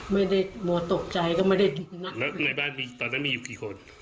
ไม่ได้หมอตกใจก็ไม่ได้ดูนะแล้วในบ้านตอนนั้นมีอยู่กี่คน